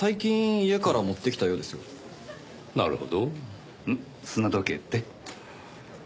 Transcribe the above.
砂時計って？